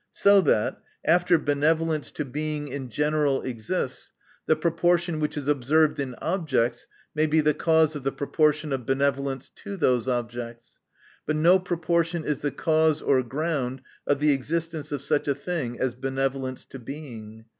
So that, after benevolence to Being in general exists, the proportion which is observed in objects, may be the cause of the proportion of benevolence to those objects : but no proportion is the cause or ground of the existence of such a thing as benevolence to Being.